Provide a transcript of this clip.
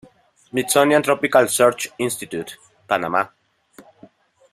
Smithsonian Tropical Research Institute, Panamá.